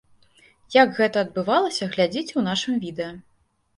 Як гэта адбывалася, глядзіце ў нашым відэа.